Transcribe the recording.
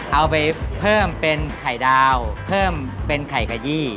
เอาไปเพิ่มเป็นไข่ดาวเพิ่มเป็นไข่กะยี้